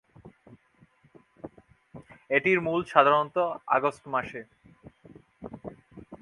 এটির মূল সাধারণত আগস্ট মাস।